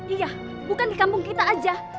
iya bukan di kampung kita aja